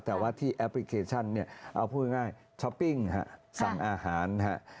แต่ว่าที่แอปพลิเคชันเนี่ยเอาพูดง่ายช้อปปิ้งฮะสั่งอาหารฮะ